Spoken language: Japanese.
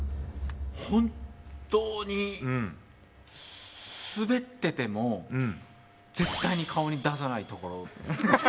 本当にスベってても絶対に顔に出さないところ。